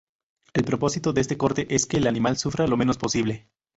El propósito de este corte es que el animal sufra lo menos posible.